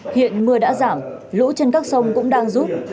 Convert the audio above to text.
hiện mưa đã giảm lũ trên các sông cũng đang rút